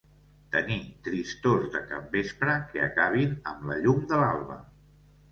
Tenir tristors de capvespre que acabin am la llum de l'alba